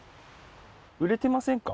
売れてませんか？